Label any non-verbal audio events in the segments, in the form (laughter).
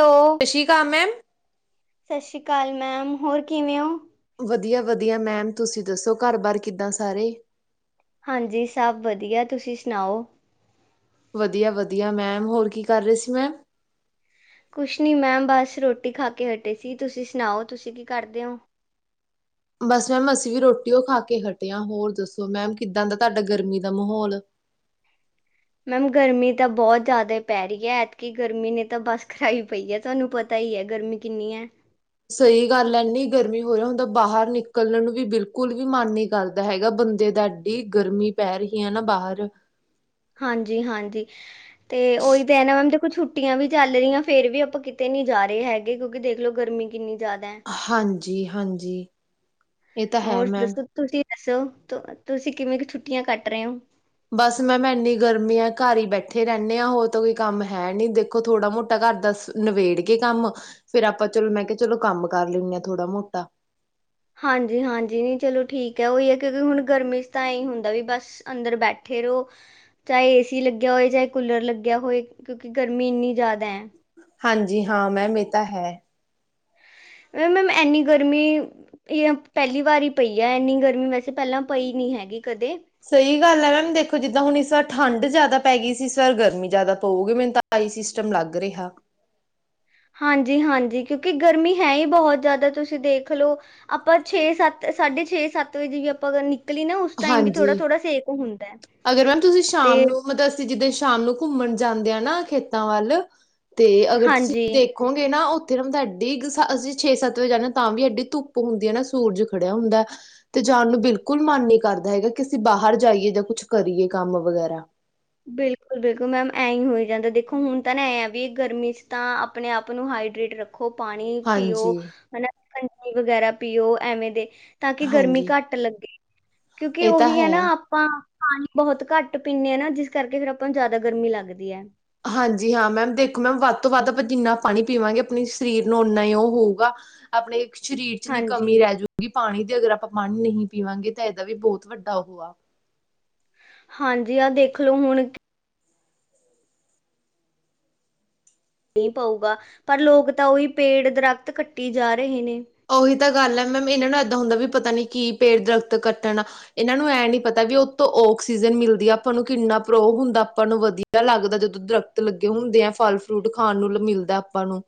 ਓ ਸਤਿ ਸ਼੍ਰੀ ਅਕਾਲ ਮੈਮ ਸਤਿ ਸ੍ਰੀ ਅਕਾਲ ਮੈਮ ਹੋਰ ਕਿਵੇਂ ਓ ਵਧੀਆ ਵਧੀਆ ਮੈਮ ਤੁਸੀਂ ਦੱਸੋ ਘਰ ਬਾਰ ਕਿੱਦਾਂ ਸਾਰੇ ਹਾਂਜੀ ਸਭ ਵਧੀਆ ਤੁਸੀਂ ਸੁਣਾਓ ਵਧੀਆ ਵਧੀਆ ਮੈਮ ਹੋਰ ਕੀ ਕਰ ਰੇ ਸੀ ਮੈਮ ਕੁਛ ਨੀ ਮੈਮ ਬਸ ਰੋਟੀ ਖਾ ਕੇ ਹਟੇ ਸੀ ਤੁਸੀਂ ਸੁਣਾਓ ਤੁਸੀਂ ਕੀ ਕਰਦੇ ਓਂ ਬਸ ਮੈਮ ਅਸੀਂ ਵੀ ਰੋਟੀਓ ਖਾ ਕੇ ਹਟੇ ਆ ਹੋਰ ਦੱਸੋ ਮੈਮ ਕਿੱਦਾਂ ਦਾ ਤੁਹਾਡਾ ਗਰਮੀ ਦਾ ਮਾਹੌਲ। ਮੈਮ ਗਰਮੀ ਤਾਂ ਬੋਤ ਜ਼ਿਆਦਾ ਪੈ ਰੀ ਐ। ਐਤਕੀ ਗਰਮੀ ਨੇ ਤਾਂ ਬੱਸ ਕਰਾਈ ਪਈ ਹੈ ਤੁਆਨੂੰ ਪਤਾ ਤਾ ਈ ਐ ਗਰਮੀ ਕਿੰਨੀ ਐ ਸਈ ਗੱਲ ਐ ਐਨੀ ਗਰਮੀ ਹੋ ਰਹੀ ਹੁਣ ਤਾ ਬਾਹਰ ਨਿਕਲਣ ਨੂੰ ਵੀ ਬਿਲਕੁਲ ਵੀ ਮਨ ਨੀ ਕਰਦਾ ਹੈਗਾ ਬੰਦੇ ਦਾ ਏ ਗਰਮੀ ਪੈ ਰਹੀ ਐ ਨਾ ਬਾਹਰ ਹਾਂਜੀ ਹਾਂਜੀ ਤੇ ਉਈ ਤੇ ਐ ਨਾ ਮੈਮ ਦੇਖੋ ਛੁੱਟੀਆਂ ਵੀ ਚੱਲ ਰਹੀਆਂ ਫੇਰ ਵੀ ਆਪਾਂ ਕਿਤੇ ਨੀ ਜਾ ਰੇ ਹੈਗੇ ਕਿਉਂਕਿ ਦੇਖਲੋ ਗਰਮੀ ਕਿੰਨੀ ਜਾਦਾ ਐ ਹਾਂਜੀ ਹਾਂਜੀ ਇਹ ਤਾਂ ਹੈ ਹੋਰ ਮੈਮ ਦੱਸੋ ਤੁਸੀਂ ਦੱਸੋ ਤੁਸੀਂ ਕਿਵੇਂ ਕ ਛੁੱਟੀਆਂ ਕੱਟ ਰੇ ਓ ਬਸ ਮੈਂਮ ਮੈਂ ਇੰਨੀ ਗਰਮੀ ਆ ਘਰ ਈ ਬੈਠੇ ਰੈਣੇ ਆਂ ਹੋਰ ਤਾਂ ਕੋਈ ਕੰਮ ਹੈ ਨੀ ਦੇਖੋ ਥੋੜਾ ਮੋਟਾ ਘਰ ਦਾ ਸ ਨਿਵੇੇੜ ਕੇ ਕੰਮ ਫੇਰ ਆਪਾਂ ਚਲੋ ਮੈਂ ਕਿਆਂ ਚਲੋ ਕੰਮ ਕਰ ਲੈਨੇ ਆਂ ਥੋੜ੍ਹਾ ਮੋਟਾ ਹਾਂਜੀ ਹਾਂਜੀ ਨੀ ਚਲੋ ਠੀਕ ਐ ਓਈ ਐ ਕਿਉਂਕਿ ਹੁਣ ਗਰਮੀ ਚ ਤਾਂ ਐ ਈ ਹੁੰਦਾ ਵੀ ਬਸ ਅੰਦਰ ਬੈਠੇ ਰੋ ਚਾਏ ਏ ਸੀ ਲੱਗਿਆ ਹੋਏ, ਚਾਏ ਕੂਲਰ ਲੱਗਿਆ ਹੋਏ ਕਿਉਂਕਿ ਗਰਮੀ ਇੰਨੀ ਜ਼ਿਆਦਾ ਐ। ਹਾਂਜੀ ਹਾਂ ਮੈਮ ਏ ਤਾ ਹੈ। ਵੇ ਮੈਮ ਇੰਨੀ ਗਰਮੀ ਇਹ ਪਹਿਲੀ ਵਾਰ ਈ ਪਈ ਆ ਇੰਨੀ ਗਰਮੀ ਵੈਸੇ ਪੈਲਾਂ ਪਈ ਨੀ ਹੈਗੀ ਕਦੇ ਸਈ ਗੱਲ ਐ ਮੈਮ ਦੇਖੋ ਜਿੱਦਾਂ ਹੁਣ ਇਸ ਵਾਰ ਠੰਡ ਜਾਦਾ ਪੈ ਗਈ ਸੀ ਇਸ ਵਾਰ ਗਰਮੀ ਜਾਦਾ ਪਊਗੀ ਮੈਨੂੰ ਤਾਂ ਆਈ ਸਿਸਟਮ ਲੱਗ ਰਿਹਾ। ਹਾਂਜੀ ਹਾਂਜੀ ਕਿਉਂਕਿ ਗਰਮੀ ਹੈ ਈ ਬਹੁਤ ਜਾਦਾ ਤੁਸੀਂ ਦੇਖ ਲਓ ਆਪਾਂ ਛੇ ਸੱਤ ਸਾਢੇ ਛੇ ਸੱਤ ਵਜੇ ਵੀ ਆਪਾਂ ਨ। ਕਲੀ ਅ ਨਾ ਉਸ ਟਾਈਮ ਵੀ ਹਾਂਜੀ ਥੋੜਾ-ਥੋੜਾ ਸੇਕ ਹੁੰਦਾ ਐ। ਅਗਰ ਮੈਮ ਤੁਸੀਂ ਸ਼ਾਮ ਨੂੰ ਮਤਲਬ ਅਸੀਂ ਜਿੱਦਣ ਸ਼ਾਮ ਨੂੰ ਘੁੰਮਣ ਜਾਂਦੇ ਅ ਨਾ ਖੇਤਾਂ ਵੱਲ। ਤੇ ਅਗਰ ਤੁਸੀਂ ਹਾਂਜੀ ਦੇਖ ਖੋਗੇ ਨਾ ਉੱਥੇ ਨਾ ਹੁੰਦਾ ਐਡੀ ਅਸੀਂ ਛੇ ਸੱਤ ਵਜੇ ਜਾਂਦੇ ਆ ਤਾਂ ਵੀ ਐਡੀ ਧੁੱਪ ਹੁੰਦੀ ਐ ਨਾ ਸੂਰਜ ਖੜਿਆ ਹੁੰਦਾ। ਤੇ ਜਾਣ ਨੂੰ ਬਿਲਕੁਲ ਮਨ ਨੀ ਕਰਦਾ ਹੈਗਾ ਕਿ ਅਸੀਂ ਬਾਹਰ ਜਾਈਏ ਜਾਂ ਕੁਛ ਕਰੀਏ ਕੰਮ ਵਗੈਰਾ ਬਿਲਕੁਲ ਬਿਲਕੁਲ ਮੈਮ ਐਂ ਈ ਹੋਈ ਜਾਂਦਾ ਦੇਖੋ ਹੁਣ ਤਾਂ ਨਾ ਐਂ ਵੀ ਗਰਮੀ ਚ ਤਾਂ ਆਪਣੇ ਆਪ ਨੂੰ ਹਾਈਡਰੇਟ ਰੱਖ ਖੋ ਪਾਣੀ ਪੀਓ ਹਾਂਜੀ ਹਨਾ ਸ਼ਿਕੰਜਵੀ ਵਗੈਰਾ ਪੀਓ ਐਵੇਂ ਦੇ ਤਾਂ ਕੀ ਗਰਮੀ ਹਾਂਜੀ ਘਾੱਟ ਲੱਗੇ, ਕਿਉਂਕਿ ਇਹ ਤਾਂ ਓਹੀ ਹੈ ਨਾ ਆਪਾਂ ਪਾਨੀ ਬੋਹਤ ਘਾੱਟ ਪੀਨੇ ਆਂ ਨਾ, ਜਿਸ ਕਾਰਕੇ ਫੇਰ ਆਪਾਂ ਨੂੰ ਜਾਦਾ ਗਰਮੀ ਲਗਦੀ ਐ। ਹਾਂਜੀ, ਹਾਂ ਮੈਮ ਦੇਖੋ, ਮੈਮ ਵਾੱਧ ਤੋ ਵਾੱਧ ਅਪਾਂ ਜਿੰਨਾ ਪਾਣੀ ਪੀਵਾਂਗੇ, ਅਪਨੇ ਸ਼ਰੀਰ ਨੂੰ ਉਨਾ ਹੀ ਓ ਹੋਊਗਾ। ਅਪਣੇ ਸ਼ਰੀਰ ਚ ਨੀ ਹਾਂਜੀ, ਕਮੀ ਰੈਜੂ। ਕਿਉਕਿ ਪਾਣੀ ਦੇ ਅਗਰ ਆਪਾਂ ਪਾਨੀ ਨਹੀਂ ਪੀਵਾਂਗੇ ਤੇ ਐਦਾ ਵੀ ਬੋਤ ਵੱਡਾ ਉਹ ਆ। ਹਾਂਜੀ, ਆ ਦੇਖ ਲੋ ਹੂਣ ਨੀ ਪਊਗਾ, ਪਰ ਲੋਗ ਤਾ ਓਹੀ ਪੇੜ, ਦਰਖਤ ਕੱਟੀ ਜਾ ਰਹੇ ਨੇ। ਓਹੀ ਤਾਂ ਗਾਲ ਐ, ਮੈਮ ਇਨਾਂ ਨੂੰ ਏਦਾਂ ਹੁੰਦਾ ਬੀ ਪਤਾ ਨੀ ਕੀ ਪੇੜ, ਦਰਖ਼ਤ ਕੱਟਣਾ ਏਨਾਂ ਨੂੰ ਐ ਨੀ ਪਤਾ ਵੀ ਉਤੋਂ ਆਕਸੀਜਨ ਮਿਲਦੀ ਆਪਾਂ ਨੂੰ ਕਿੰਨਾ ਪ੍ਰੋ ਹੁੰਦਾ ਆਪਾਂ ਨੂੰ ਵਦੀਆ। ਦਆ ਲਾਗਦਾ ਜਦੋਂ ਦਰੱਖਤ ਲੱਗੇ ਹੁੰਦੇ ਐਂ, ਫਲ ਫਰੂਟ ਖਾਨ ਨੂੰ ਲ ਮਿਲਦੈ ਅਪਾਂ ਨੂੰ।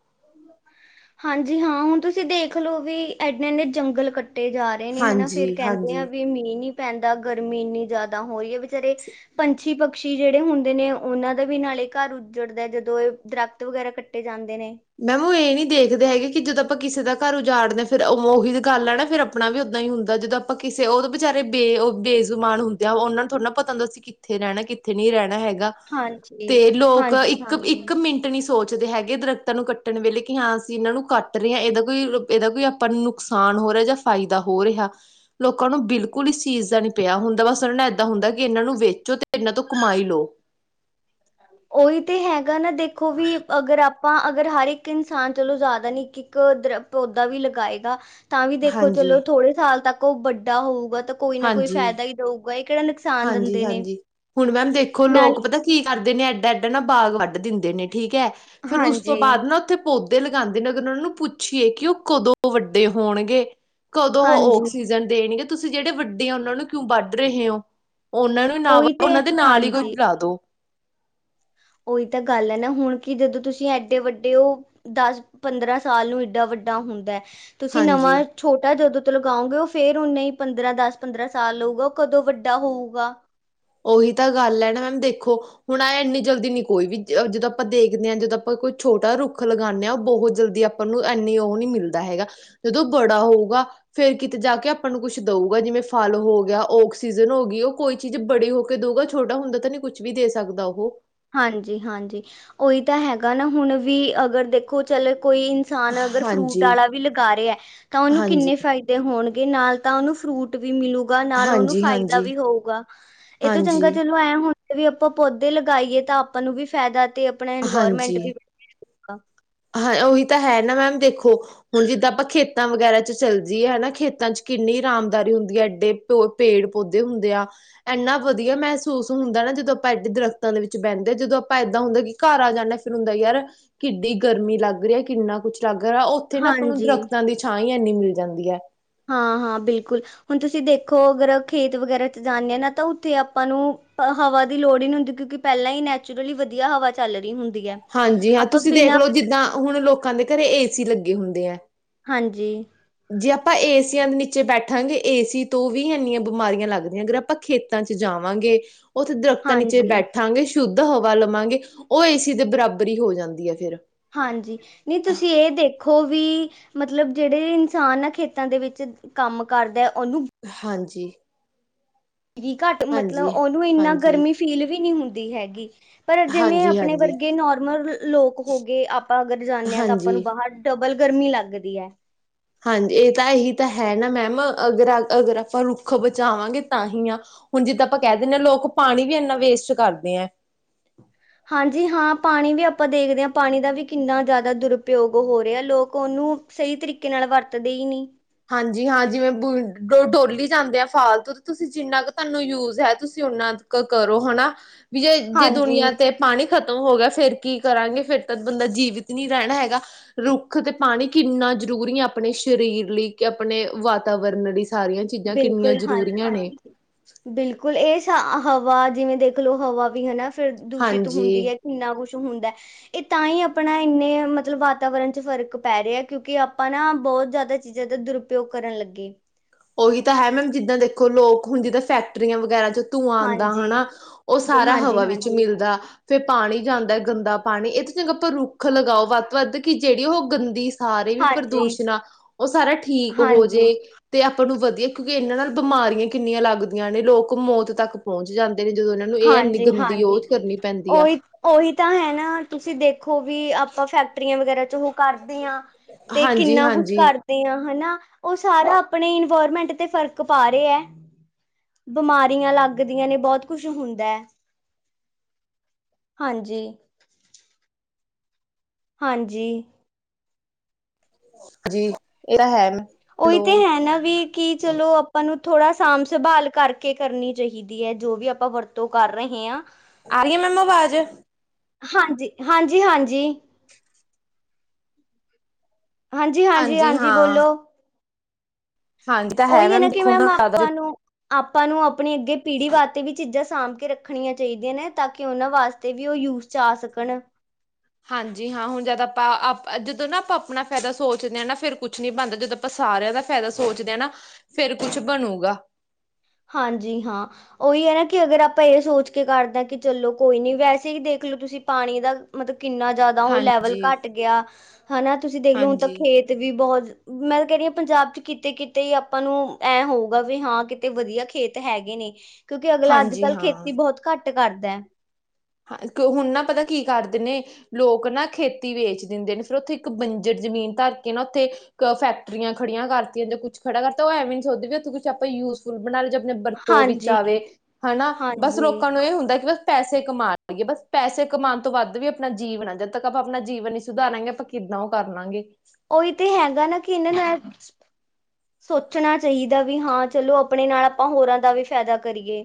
ਹਾਂਜੀ ਹਾਂ, ਹੁਨ ਤੂਸੀ ਦੇਖ ਲੋ ਵੀ ਐ ਐਨੇ ਜੰਗਲ ਕੱਟ ਕੱਟੇ ਜਾ ਰਹੇ ਨੇ ਹਨਾ, ਫਿਰ ਹਾਂਜੀ ਕੈੰਦੇ ਆ ਹਾਂਜੀ ਵੀ ਮੀਂਹ ਨੀ ਪੈਂਦਾ ਗਰਮੀ ਇੰਨੀ ਜਾਦਾ ਹੋਈਏ ਵਿਚਾਰੇ ਪੰਛੀ, ਪਕਸ਼ੀ ਜੇੜੇ ਹੁੰਦੇ ਨੇ ਓਨਾਂ ਦਾ ਵੀ ਨਾਲੇ ਘਾਰ ਉੱਜੜਦੈ, ਜਦੋਂ ਏ ਦਰੱਖਤ ਵਗੈਰਾ ਕੱਟ ਟੇ ਜਾਂਦੇ ਨੇ। ਮੈਮ ਓ ਏ ਨੀ ਦੇਖਦੇ ਹੈਗੇ ਕਿ ਜਦੋ ਅਪਾਂ ਕਿਸੇ ਦਾ ਘਾਰ ਉਜਾੜਦੇ ਆਂ, ਫੇਰ ਓਹੀ ਤੇ ਗੱਲ ਐ ਨਾ ਫਿਰ ਅਪਣਾ ਵੀ ਓਦਾਂ ਈ ਹੁੰਦੈ, ਜਦੋਂ ਅਪਾਂ ਕਿਸੇ, ਓ ਤੋ ਬਿਚਾਰੇ ਬੇ ਬੇਜ਼ੁਬਾਨ ਹੁੰਦੇ ਆ ਓਨਾਂ ਨੂੰ ਥੋੜਾ ਨਾ ਪਤਾ ਹੁੰਦਾ ਅਸੀ ਕਿ ਕਿੱਥੇ ਰੈਣੈ, ਕਿੱਥੇ ਨੀ ਰੈਣਾ ਹੈਗਾ। ਹਾਂਜੀ, ਹਾਂਜੀ, ਹਾਂਜੀ। ਤੇ ਨੀ ਸੋਚਦੇ ਹੈਗੇ ਦਰਕਤ ਨੂੰ ਕੱਟਨ ਵੇਲੇ ਕਿ ਹਾਂ ਅਸੀ ਇਨਾਂ ਨੂੰ ਕਾੱਟ ਰੇ ਆਂ, ਏਦਾ ਕੋਈ ਰੁ ਏਦਾ ਕੋਈ ਅਪਾਂ ਨੂੰ ਨੁਕਸਾਨ ਹੋ ਰੇਆ ਜਾ ਫਾਇਦਾ ਹੋ ਰੇਹਾ। ਲੋਕਾਂ ਨੂੰ ਬਿਲਕੁਲ ਇਸ ਚੀਜ਼ ਦਾ ਨੀ ਪੇਆ ਹੁੰਦਾ, ਬਾੱਸ ਉਨਾਂਨ ਏਦਾਂ ਹੁੰਦਾ ਕਿ ਏਨਾਂ ਨੂੰ ਵੇਚੋ ਤੇ ਏਨਾਂ ਤੋ ਕਮਾਈ ਲੋ। ਓਈ ਤੇ ਹੈਗਾ ਨਾ ਦੇਖੋ ਵੀ ਅਗਰ ਆਪਾਂ ਅਗਰ, ਹਰ ਇੱਕ ਇਨਸਾਨ ਚਲੋ ਜਾਦਾ ਨੀ ਇੱਕ, ਇੱਕ ਦਰ ਤੋਦਾੱ ਵੀ ਲਗਾਏਗਾ। ਤਾਂ ਵੀ ਦੇਖੋ ਚਲੋ ਹਾਂਜੀ ਥੋੜੇ ਸਾਲ ਤੱਕ ਓ ਵੱਡਾ ਹੋਊਗਾ ਤਾ ਕੋਈ ਨਾ ਕੋਈ ਹਾਂਜੀ ਫੈਦਾ ਈ ਦਊਗਾ ਏ ਕੇੜਾ ਨੁਕਸਾ ਹਾਂਜੀ, ਹਾਂਜੀ ਹੁਣ ਮੈਮ ਦੇਖੋ ਨਾਲ ਲੋਕ ਪਤਾ ਕੀ ਕਾਰਦੇ ਨੇ ਐਡਾ, ਐਡਾ ਨਾ ਬਾਗ਼ ਵਾੱਡ ਦਿੰਦੇ ਨੇ। ਠੀਕ ਹੈ, ਫਿਰ ਉਸ ਹਾਂਜੀ, ਤੋਂ ਬਾਦ ਨਾ ਉਥੇ ਪੌਦੇ੍ ਲਗਾਂਦੇ ਨੇ ਅਗਰ ਓਨਾਂ ਨੂੰ ਪੁੱਛੀਏ ਕਿ ਓ ਕਦੋਂ ਵੱਡੇ ਹੋਣਗੇ ਕਦੋਂ ਹੋ ਹਾਂਜੀ ਆਕਸੀਜਨ ਦੇਨਗੇ ਤੂਸੀ ਜੇੜੇ ਵੱਡੇ ਆ ਉਨਾਂ ਨੂੰ ਕਿਉਂ ਵਾੱਡ ਰਹੇ ਔਂ ਓਨਾਂ ਨੂੰ ਨਾ ਉਹੀ (inaudible) ਤੇ ਓਨਾਂ ਦੇ ਨਾਲ ਈ ਕੋਈ ਹਾਂਜੀ ਲਾਦੋ। ਓਈ ਤਾ ਗਾੱਲ ਐ ਨਾ, ਹੁਣ ਕੀ ਜਦੋਂ ਤੂਸੀ ਐਡੇ ਵੱਡੇ ਓ ਦਾੱਸ ਪੰਦਰਾਂ ਸਾਲ ਨੂੰ ਇਡਾ ਵੱਡਾ ਹੁੰਦੈ, ਤੂਸੀਂ ਨਵਾਂ ਹਾਂਜੀ ਛੋਟਾ ਜਦੋ ਤੋਂ ਲਗਾਉਂਗੇ ਓ ਫੇਰ ਓਨੇ ਈ ਪੰਦਰਾਂ, ਦਾੱਸ-ਪੰਦਰਾਂ ਸਾਲ ਹੋਊਗਾ, ਓ ਕਦੋਂ ਵੱਡਾ ਹੋਊਗਾ। ਓਹੀ ਤਾਂ ਗਾੱਲ ਐ ਨਾ ਮੈਮ ਦੇਖੋ ਹੁਣ ਐ ਇੰਨੀ ਜਲਦੀ ਨੀ ਕੋਈ ਵੀ ਜ ਜਦੋਂ ਅਪਾਂ ਦੇਖਦੇ ਆਂ, ਜਦੋਂ ਅਪਾਂ ਕੋਈ ਛੋਟਾ ਰੁੱਖ ਲਗਾਨੇ ਆਂ, ਬੋਹਤ ਜਲਦੀ ਆਪ ਨੂੰ ਐਨੀ ਓ ਨੀ ਮਿਲਦਾ ਹੈਗਾ, ਜਦੋਂ ਬੜਾ ਹੋਊਗਾ ਫੇਰ ਕਿਤੇ ਜਾ ਕੇ ਅਪਾਂ ਨੂੰ ਕੁਛ ਦਊਗਾ ਜਿਵੇਂ ਫਲ ਹੋ ਗੇਆ, ਓਕਸੀਜਨ ਹੋ ਗੀ, ਓ ਕੋਈ ਚੀਜ ਜੇ ਬੜੇ ਹੋ ਕੇ ਦਊਗਾ, ਛੋਟਾ ਹੁੰਦਾ ਤੇ ਨੀ ਕੁੱਛ ਵੀ ਦੇ ਸਕਦਾ ਓਹ। ਹਾਂਜੀ, ਹਾਂਜੀ ਓਈ ਤਾ ਹੈਗਾ ਨਾ, ਹੁਣ ਵੀ ਅਗਰ ਦੇਖੋ ਚਲ ਕੋਈ ਸਾਨ ਅਗਰ ਫਰੂਟ ਹਾਂਜੀ ਆਲਾ ਵੀ ਲਗਾ ਰਏ, ਤਾਂ ਓਨੂੰ ਹਾਂਜੀ ਕਿੰਨੇ ਫਾਇਦੇ ਹੋਨਗੇ, ਨਾਲ ਤਾਂ ਓਨੂੰ ਫਰੂਟ ਵੀ ਮਿਲੂਗਾ, ਨਾਲ ਓਨੂੰ ਹਾਂਜੀ ਫ਼ਾਇਦਾ ਹਾਂਜੀ ਵੀ ਹੋਊਗਾ ਏ ਤੋਂ ਹਾਂਜੀ ਚੰਗਾ ਚਲ ਓ ਐਂ ਹੂੰਦੈ ਵੀ ਅਪਾਂ ਪੌਦੇ ਲਗਾਈਏ ਤਾ ਆਪਾਂ ਨੂੰ ਵੀ ਫੈਦਾ ਤੇ ਅਪਣਾ ਇਨਵਾਰਮੈਂਟ ਵੀ ਹਾਂਜੀ ਹਾਂ ਓਈ ਤਾ ਹੈ ਨਾ ਮੈਮ ਦੇਖੋ ਹੁਨ ਜਿੱਦਾਂ ਆਪਾਂ ਖੇਤਾਂ ਵਗੈਰਾ ਚ ਚੱਲਜੀਏ ਹਨਾ ਖੇਤਾਂ ਚ ਕਿੰਨੀ ਆਰਾਮਦਾਰੀ ਹੁੰਦੀ ਐ, ਐਡੇ ਤੋ ਪੇੜ, ਪੌਧੇ ਹੁੰਦੇ ਆ ਐਨਾ ਵਦੀਆ ਮੈਹਸੂਸ ਹੁੰਦਾ ਨਾ, ਜਦੋਂ ਅਪਾਂ ਏਡੇ ਦਰਖਤਾਂ ਦੇ ਵਿੱਚ ਬੈਂਦੇ, ਜਦੋਂ ਅਪਾਂ ਏਦਾਂ ਹੁੰਦਾ ਕਿ ਘਰ ਆ ਜਾਂਨੇ ਆ ਫਿਰ ਹੁੰਦੈ ਯਾਰ ਕਿੱਡੀ ਗਰਮੀ ਲਾੱਗ ਰੀ ਏ, ਕਿੰਨਾ ਕੁੱਛ ਲਾੱਗ ਰਾ, ਓਥੇ ਨਾ ਅਪਾਂ ਨੂੰ ਹਾਂਜੀ, ਦਰਖ਼ਤਾਂ ਦੀ ਛਾਂ ਈ ਐਨੀ ਮਿਲ ਜਾਂਦੀ ਐ। ਹਾਂ, ਹਾਂ ਬਿਲਕੁਲ। ਹੁਨ ਤੂਸੀ ਦੇਖੋ ਅਗਰ ਖੇਤ ਵਗੈਰਾ ਚ ਜਾਂਨੇ ਆਂ ਨਾ, ਤਾ ਉਥੇ ਅਪਾਂ ਨੂੰ ਹ ਹਵਾ ਦੀ ਲੋੜ ਈ ਨੀ ਹੁੰਦੀ ਕਿਉਂਕਿ ਪਹਿਲਾਂ ਹੀ ਨੈਚੁਰਲੀ ਵਧੀਆ ਹਵਾ ਚੱਲ ਰਹੀ ਹੁੰਦੀ ਹੈ। ਹਾਂਜੀ ਹਾਂ ਆਪਾਂ ਤੁਸੀਂ ਦੇਖ ਬਿਨਾਂ ਲਓ ਜਿੱਦਾਂ ਹੁਣ ਲੋਕਾਂ ਦੇ ਘਰੇ ਏ ਸੀ ਲੱਗੇ ਹੁੰਦੇ ਹੈ। ਹਾਂਜੀ ਜੇ ਆਪਾਂ ਏਸੀਆਂ ਦੇ ਨੀਚੇ ਬੈਠਾਂਗੇ ਏਸੀ ਤੋਂ ਵੀ ਇੰਨੀਆਂ ਬਿਮਾਰੀਆਂ ਲੱਗਦੀਆਂ। ਆਪਾਂ ਖੇਤਾਂ 'ਚ ਜਾਵਾਂਗੇ। ਉੱਥੇ ਦਰਖ਼ਤਾਂ ਨੀਚੇ ਹਾਂਜੀ, ਬੈਠਾਂਗੇ ਸ਼ੁੱਧ ਹਵਾ ਲਵਾਂਗੇ ਉਹ ਏ ਸੀ ਦੇ ਬਰਾਬਰ ਹੀ ਹੋ ਜਾਂਦੀ ਹੈ ਫਿਰ ਹਾਂਜੀ ਨਹੀਂ ਤੁਸੀਂ ਇਹ ਦੇਖੋ ਵੀ ਮਤਲਬ ਜਿਹੜੇ ਇਨਸਾਨ ਆ ਖੇਤਾਂ ਦੇ ਵਿੱਚ ਕੰਮ ਕਰਦੇ ਉਹਨੂੰ ਹਾਂਜੀ ਗੀ ਘੱਟ ਮਤਲਬ ਹਾਂਜੀ ਉਹਨੂੰ ਇੰਨਾ ਹਾਂਜੀ ਗਰਮੀ ਫੀਲ ਵੀ ਨਹੀਂ ਹੁੰਦੀ ਹੈਗੀ। ਪਰ ਜਿਵੇਂ ਹਾਂਜੀ ਆਪਣੇ ਹਾਂਜੀ ਵਰਗੇ ਨੋਰਮਲ ਲੋਕ ਹੋ ਗਏ ਆਪਾਂ ਅਗਰ ਜਾਂਦੇ ਹਾਂ ਤਾਂ ਆਪਾਂ ਹਾਂਜੀ ਨੂੰ ਬਾਹਰ ਡਬਲ ਗਰਮੀ ਲੱਗਦੀ ਹੈ। ਹਾਂਜੀ ਇਹ ਤਾਂ ਇਹੀ ਤਾਂ ਹੈ ਨਾ ਮੈਮ ਅਗਰ ਅ ਅਗਰ ਆਪਾਂ ਰੁੱਖ ਬਚਾਵਾਂਗੇ ਤਾਂ ਹੀ ਆਹ ਹੁਣ ਜਿੱਦਾਂ ਆਪਾਂ ਕਹਿ ਦਿੰਦੇ ਹਾਂ ਲੋਕ ਪਾਣੀ ਵੀ ਇੰਨਾ ਵੇਸਟ ਕਰਦੇ ਹੈ। ਹਾਂਜੀ ਹਾਂ ਪਾਣੀ ਵੀ ਆਪਾਂ ਦੇਖਦੇ ਹਾਂ ਪਾਣੀ ਦਾ ਵੀ ਕਿੰਨਾ ਜ਼ਿਆਦਾ ਦੁਰਪਯੋਗ ਹੋ ਰਿਹਾ ਲੋਕ ਉਹਨੂੰ ਸਹੀ ਤਰੀਕੇ ਨਾਲ ਵਰਤਦੇ ਹੀ ਨਹੀਂ। ਹਾਂਜੀ ਹਾਂ ਜਿਵੇਂ ਬੋ ਡੋਲੀ ਜਾਂਦੇ ਆ ਫਾਲਤੂ ਤੇ ਤੁਸੀਂ ਜਿੰਨਾ ਕੁ ਤੁਹਾਨੂੰ ਯੂਜ ਹੈ ਤੁਸੀਂ ਓਨਾ ਕਰੋ ਹਨਾ ਵੀ ਜੇ -ਜੇ ਹਾਂਜੀ ਦੁਨੀਆਂ ਤੇ ਪਾਣੀ ਖਤਮ ਹੋ ਗਿਆ ਫਿਰ ਕੀ ਕਰਾਂਗੇ ਫਿਰ ਤਾਂ ਬੰਦਾ ਜੀਵਿਤ ਨਹੀਂ ਰਹਿਣਾ ਹੈਗਾ। ਰੁੱਖ ਤੇ ਪਾਣੀ ਕਿੰਨਾ ਜ਼ਰੂਰੀ ਹੈ ਆਪਣੇ ਸਰੀਰ ਲਈ ਕਿ ਆਪਣੇ ਵਾਤਾਵਰਨ ਲਈ ਸਾਰੀਆਂ ਚੀਜ਼ਾਂ ਕਿੰਨੀਆਂ ਬਿਲਕੁਲ ਹਾਂਜੀ ਜ਼ਰੂਰੀਆਂ ਨੇ। ਹਾਂਜੀ ਬਿਲਕੁਲ ਇਹ ਸ ਹਵਾ ਜਿਵੇਂ ਦੇਖ ਲਓ ਹਵਾ ਵੀ ਹਨਾ ਫਿਰ ਦੂਸ਼ਿਤ ਹਾਂਜੀ ਹੁੰਦੀ ਹੈ। ਇੰਨਾ ਕੁੱਛ ਹੁੰਦਾ। ਇਹ ਤਾਂ ਹੀ ਆਪਣਾ ਇੰਨੇ ਮਤਲਬ ਵਾਤਾਵਰਨ 'ਚ ਫ਼ਰਕ ਪੈ ਰਿਹਾ ਹੈ ਕਿਉਂਕਿ ਆਪਾਂ ਨਾ ਬਹੁਤ ਜ਼ਿਆਦਾ ਚੀਜ਼ਾਂ ਦਾ ਦੁਰਪੋਗ ਕਰਨ ਲੱਗੇ। ਉਹੀ ਤਾਂ ਹੈ ਮੈਮ ਜਿੱਦਾਂ ਦੇਖੋ ਲੋਕ ਹੁਣ ਜਿੱਦਾਂ ਫੈਕਟਰੀਆਂ ਵਗੈਰਾ 'ਚ ਧੂੰ ਆਉਂਦਾ ਹਾਂਜੀ, ਹਨਾ ਉਹ ਬ- ਸਾਰਾ ਹਾਂਜੀ, ਹਵਾ ਵਿੱਚ ਹਾਂਜੀ, ਮਿਲਦਾ। ਫਿਰ ਪਾਣੀ ਜਾਂਦਾ ਗੰਦਾ ਪਾਣੀ ਇਹ ਤਾਂ ਚੰਗਾ ਆਪਾਂ ਰੁੱਖ ਲਗਾਓ ਵੱਧ ਤੋਂ ਵੱਧ ਕਿ ਜਿਹੜੀ ਉਹ ਗੰਦੀ ਸਾਰੇ ਵੀ ਹਾਂਜੀ, ਪ੍ਰਦੂਸ਼ਣ ਆ ਉਹ ਸਾਰਾ ਠੀਕ ਹੋ ਜੇ। ਹਾਂਜੀ, ਤੇ ਆਪਾਂ ਨੂੰ ਵਧੀਆ ਕਿਉਂਕਿ ਇਹਨਾਂ ਨਾਲ ਬਿਮਾਰੀਆਂ ਕਿੰਨੀਆਂ ਲੱਗਦੀਆਂ ਨੇ ਲੋਕ ਮੌਤ ਤੱਕ ਪਹੁੰਚ ਜਾਂਦੇ। ਨੇ ਜਦੋਂ ਇਹਨਾਂ ਨੂੰ ਇਹ ਐੰਨੀ ਹਾਂਜੀ, ਗੰਦੀ ਉਹ ਹਾਂਜੀ। ਕਰਨੀ ਪੈਂਦੀ ਆ। ਉਹੀ ਉਹੀ ਤਾਂ ਹੈ ਨਾ ਤੁਸੀਂ ਦੇਖੋ ਵੀ ਆਪਾਂ ਫੈਕਟਰੀਆਂ ਵਗੈਰਾ 'ਚ ਉਹ ਕਰਦੇ ਆਂ। ਤੇ ਹਾਂਜੀ ਕਿੰਨਾ ਕੁਛ ਹਾਂਜੀ ਕਰ ਹਨਾ ਉਹ ਸਾਰਾ ਆਪਣੇ ਇਨਵਾਇਰਮੈਂਟ ਤੇ ਫਰਕ ਪਾ ਰਿਹਾ ਹੈ। ਬਿਮਾਰੀਆਂ ਲੱਗਦੀਆਂ ਨੇ ਬਹੁਤ ਕੁਛ ਹੁੰਦਾ ਹੈ ਹਾਂਜੀ। ਹਾਂਜੀ ਜੀ ਇਹ ਤਾਂ ਹੈ। ਉਹੀ ਹੈਲੋ ਤੇ ਹੈ ਨਾ ਵੀ ਕਿ ਚਲੋ ਆਪਾਂ ਨੂੰ ਥੋੜ੍ਹਾ ਸਾਂਭ ਸੰਭਾਲ ਕਰਕੇ ਕਰਨੀ ਚਾਹੀ ਦੀ ਹੈ ਜੋ ਵੀ ਆਪਾਂ ਵਰਤੋਂ ਕਰ ਰਹੇ ਹਾਂ। ਆਈ ਰਹੀ ਅ ਮੈਮ ਆਵਾਜ਼ ਹਾਂਜੀ- ਹਾਂਜੀ- ਹਾਂਜੀ। ਹਾਂਜੀ- ਹਾਂਜੀ- ਹਾਂਜੀ ਬੋਲੋ। ਹਾਂਜੀ ਤਾਂ ਉਹੀ ਹੈ ਨਾ ਕਿ ਦੇਖੋ ਮੈਮ ਹੁਣ ਆਪਾਂ ਨੂੰ ਆਪਾਂ ਨੂੰ ਆਪਣੀ ਅੱਗੇ ਪੀੜ੍ਹੀ ਵਾਸਤੇ ਵੀ ਚੀਜ਼ਾਂ ਸਾਂਭ ਕੇ ਰੱਖ ਰੱਖਣੀਆਂ ਚਾਹੀਦੀਆਂ ਨੇ ਤਾਂ ਕਿ ਉਹਨਾਂ ਵਾਸਤੇ ਵੀ ਉਹ ਯੂਜ 'ਚ ਆ ਸਕਣ। ਹਾਂਜੀ ਹਾਂ ਹੁਣ ਜਦ ਆਪਾਂ ਜਦੋਂ ਨਾ ਆਪਾਂ ਆਪਣਾ ਫਾਇਦਾ ਸੋਚਦੇ ਹਾਂ ਨਾ ਫਿਰ ਕੁਛ ਨੀ ਬਣਦਾ ਜਦੋਂ ਆਪਾਂ ਸਾਰਿਆਂ ਦਾ ਫਾਇਦਾ ਸੋਚਦੇ ਹਾਂ ਨਾ ਫੇਰ ਕੁਛ ਬਣੂਗਾ। ਹਾਂਜੀ ਹਾਂ। ਓਈ ਐ ਨਾ ਕਿ ਅਗਰ ਆਪਾਂ ਏ ਸੋਚ ਕੇ ਕਰਦੇ ਆ ਕਿ ਚਲੋ ਕੋਈ ਨੀ, ਵੈਸੇ ਈ ਦੇਖਲੋ ਤੁਸੀਂ ਪਾਣੀ ਦਾ ਮਤਲਬ ਕਿੰਨਾ ਜਾਦਾ ਓ ਲੈਵਲ ਹਾਂਜੀ ਘੱਟ ਗੇਆ, ਹਨਾ ਤੁਸੀਂ ਦੇਖਲੋ ਹੁਣ ਤਾਂ ਹਾਂਜੀ ਖੇਤ ਤੇ ਵੀ ਬਹੋਤ, ਮੈਂ ਤਾਂ ਕੈ ਰਈ ਆਂ ਪੰਜਾਬ ਚ ਕਿਤੇ-ਕਿਤੇ ਈ ਆਪਾਂ ਨੂੰ ਐ ਹੋਊਗਾ ਵੀ ਹਾਂ ਕਿਤੇ ਤੇ ਵਦੀਆ ਖੇਤ ਹੈਗੇ ਨੇ, ਕੇਓਕਿ ਅਗਲਾ ਹਾਂਜੀ ਆੱਜ-ਕਾਲ ਹਾਂ ਖੇਤੀ ਬੋਹਤ ਘੱਟ ਕਰਦੈ। ਹਾਂ, ਕੋਈ ਹੁਨ ਨਾ ਪਤਾ ਕੀ ਕਾਰਦੇ ਨੇ ਲੋਕ ਨਾ ਖੇਤੀ ਵੇਚ ਦਿੰਦੇ ਨੇ, ਫੇਰ ਓਥੇ ਇੱਕ ਬੰਜਰ ਜ਼ਮੀਨ ਧਾਰ ਕੇ ਨਾ ਓਥੇ ਫੈਕਟਰੀਆਂ ਖੜੀਆਂ ਕਾਰਤੀਆਂ ਜਾਂ ਕੁੱਛ ਖੜਾ ਕਰਤਾ ਓ ਐਵੇ ਵੀ ਨੀ ਸੋਚਦੇ ਵੀ ਓਥੇ ਕੁਛ ਆਪਾਂ ਯੂਜ਼ ਫੁ ਬਣਾਈ ਜਾ ਜੇ ਆਪਣੇ ਬਰਤੋਂ ਵਿੱਚ ਹਾਂਜੀ ਆਵੇ, ਹਨਾ ਬਸ ਹਾਂਜੀ ਲੋਕਾਂ ਨੂੰ ਐ ਹੁੰਦਾ ਕਿ ਬ ਪੈਸੇ ਕਮਾ ਬਸ ਪੈਸੇ ਕਮਾਨ ਤੋਂ ਵੱਦ ਵੀ ਅਪਨਾ ਜੀਵਨ ਆ, ਜਦ ਤੱਕ ਆਪਾਂ ਆਪਨਾ ਜੀਵਨ ਨੀ ਸੁਧਾਰਾਂਗੇ ਆਪਾਂ ਕਿੱਦਾਂ ਓ ਕਰ ਲਾਂਗੇ। ਉਈ ਤੇ ਹੈਗਾ ਨਾ ਕਿ ਏਨਾਂ ਨਾਲ ਸੋਚਣਾ ਚਾਈਦਾ ਵੀ ਹਾਂ, ਚਲੋ ਆਪਣੇ ਨਾਲ ਆਪਾਂ ਹੋਰਾਂ ਦਾ ਵੀ ਫੈਦਾ ਕਰੀਏ।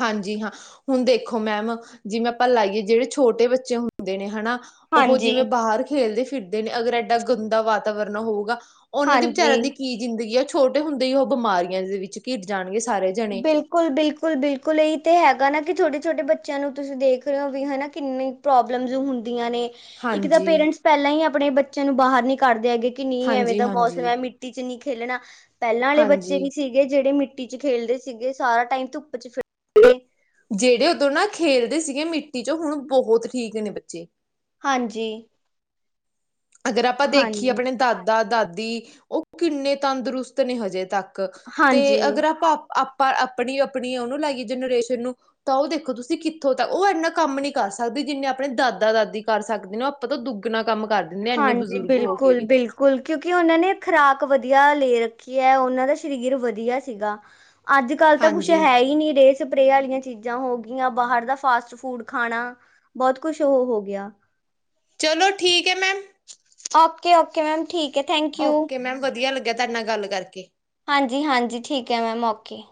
ਹਾਂਜੀ ਹਾਂ, ਹੁਨ ਦੇਖੋ ਮੈਮ ਜਿਵੇਂ ਆਪਾਂ ਲਾਈਏ ਜੇੜੇ ਛੋਟੇ ਬੱਚੇ ਹੁੰਦੇ ਨੇ ਹਣਾ ਓਹ ਹਾਂਜੀ ਜਿਵੇਂ ਬਾਹਰ ਖੇਲਦੇ ਫਿਰਦੇ ਨੇ, ਅਗਰ ਐਡਾ ਗੰਦਾ ਵਾਤਾਵਰਨ ਹੋਊਗਾ ਓਨਾਂ ਦੇ ਵਿਚਾਰੇਆਂ ਹਾਂਜੀ ਦੀ ਕੀ ਜ਼ਿੰਦਗੀ ਆ, ਛੋਟੇ ਹੁੰਦੇ ਹੀ ਓ ਬਿਮਾਰੀਆਂ ਦੇ ਵਿੱਚ ਘਿਰ ਜਾਣਗੇ ਸਾਰੇ। ਜਣੇ ਬਿਲ ਬਿਲਕੁਲ, ਬਿਲਕੁਲ, ਬਿਲਕੁਲ ਏਈ ਤੇ ਹੈਗਾ ਨਾ ਕਿ ਛੋਟੇ-ਛੋਟੇ ਬੱਚੇਆਂ ਨੂੰ ਤੁਸੀਂ ਦੇਖ ਰੇ ਓ ਵੀ ਹਨਾ ਕਿੰਨੇ ਪ੍ਰੋਬਲਮਸ ਹੁੰਦੀਆਂ ਨੇ, ਇੱਕ ਤਾਂ ਹਾਂਜੀ ਪੇਰੇਂਟਸ ਪੈਲਾਂ ਈ ਆਪਣੇ ਬੱਚੇਆਂ ਨੂੰ ਬਾਹਰ ਨੀ ਕਾਡਦੇ ਹੈਗੇ। ਕਿ ਨੀ ਐਵੇਂ ਹਾਂਜੀ ਦਾ ਮੌਸਮ ਹਾਂਜੀ ਐ ਮਿੱਟੀ ਚ ਨੀ ਖੇਲਣਾ, ਪੈਲਾਂ ਆਲੇ਼ ਬੱਚੇ ਹਾਂਜੀ ਵੀ ਸੀਗੇ ਜੇੜੇ ਮਿੱਟੀ ਚ ਖੇਲਦੇ ਸੀਗੇ ਸਾਰਾ ਟਾਈਮ ਧੁੱਪ ਚ ਫੀ ਜੇੜੇ ਓਦੋਂ ਨਾ ਖੇਲਦੇ ਸੀਗੇ ਨਾ ਮਿੱਟੀ ਚੋਂ, ਹੂਣ ਬਹੋਤ ਠੀਕ ਨੇ ਬੱਚੇ। ਹਾਂਜੀ। ਅਗਰ ਆਪਾਂ ਦੇਖੀਏ ਹਾਂਜੀ ਆਪਣੇ ਦਾਦਾ-ਦਾਦੀ, ਓ ਕਿੰਨੇ ਤੰਦਰੁਸਤ ਨੇ ਹਜੇ ਤੱਕ। ਤੇ ਹਾਂਜੀ ਅਗਰ ਆਪ, ਆਪਾਂ ਆਪਨੀ-ਆਪਨੀ ਓਨੂੰ ਲਾਈਏ ਜਨਰੇਸ਼ਨ ਨੂੰ ਤਾਂ ਓ ਦੇਖੋ ਤੁਸੀਂ ਕਿੱਥੋਂ ਤੱਕ, ਓ ਇਨਾ ਕੰਮ ਨੀ ਕਾਰ ਸਕਦੇ ਜਿੰਨੇ ਆਪਣੇ ਦਾਦਾ-ਦਾਦੀ ਕਾਰ ਸਾਕਦੀ ਆਂ। ਪਤਾ ਓ ਦੁੱਗਨਾ ਕਾੰਮ ਕਰ ਦਿੰਦੇ ਆ ਇੰਨੇ ਹਾਂਜੀ, ਬਜ਼ੁਰਗ ਹੋ ਕੇ ਵੀ ਬਿਲਕੁਲ-ਬਿਲਕੁਲ। (unintelligible) ਕੇਓਕਿ ਓਨਾਂ ਨੇ ਖਰਾਕ ਵਦੀਆ ਲੇ ਰੱਖੀ ਐ, ਓਨਾਂ ਦਾ ਸ਼ਰੀਰ ਵਦੀਆ ਸੀਗਾ। ਆਜ-ਕਾੱਲ, ਤਾਂ ਕੁੱਸ਼ ਹਾਂਜੀ ਹੈ ਈ ਨੀ ਰੇ ਸਪਰੇ ਵਾਲੀ਼ਆਂ ਚੀਜਾ ਹੋ ਗੀਆਂ ਬਾਹਰ ਦਾ ਫਾਸਟ ਫੂੜ ਖਾਣਾ, ਬੋਤ ਕੂਸ਼ ਓਹ ਹੋ ਗੇਆ। ਚਲੋ ਠੀਕ ਹੈ ਮੈਮ ਓਕੇ-ਓਕੇ ਮੈਮ ਠੀਕ। ਹੈ ਥੈਂਕ ਯੂ ਓਕੇ ਮੈਮ, ਵਦੀਆ ਲੱਗੇਆ ਤਾਹਡੇ ਨਾਲ ਗਾੱਲ ਕਾਰਕੇ। ਹਾਂਜੀ-ਹਾਂਜੀ, ਠੀਕ ਐ ਮੈਮ ਓਕੇ।